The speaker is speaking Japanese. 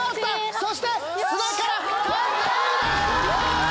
そして砂から。